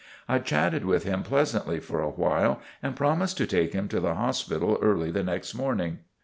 I chatted with him pleasantly for a while and promised to take him to the hospital early the next morning.